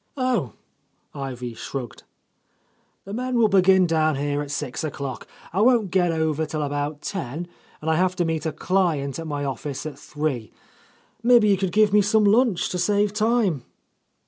"Oh!" Ivy shrugged. "The men will begin down here at six o'clock. I won't get over till about ten, and I have to meet a client at my office at three. Maybe you could give me some lunch, to save time."